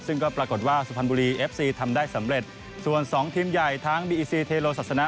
ซึ่งก็ปรากฏว่าสุพรรณบุรีเอฟซีทำได้สำเร็จส่วนสองทีมใหญ่ทั้งบีอิซีเทโลศาสนะ